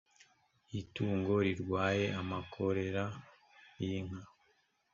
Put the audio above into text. itungo rirwaye amakore y inka